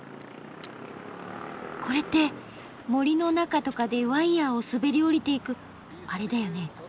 これって森の中とかでワイヤーを滑り降りていくあれだよね？